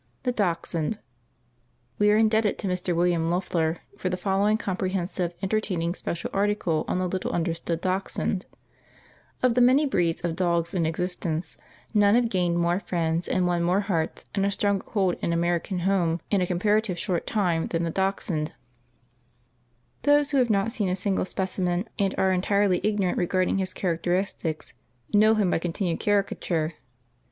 THE DACHSHUND. We are indebted to Mr. William Loeffler for the following comprehensive, entertaining special article on the little understood Dachshund: Of the many breeds of dogs in existence, none have gained more friends and won more hearts and a stronger hold in American home in a comparative short time than the Dachshund. Those who have not seen a single specimen and are entirely ignorant regarding his characteristics, know him by continued caricature.